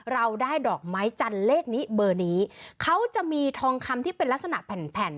เราได้ดอกไม้จันทร์เลขนี้เบอร์นี้เขาจะมีทองคำที่เป็นลักษณะแผ่นแผ่น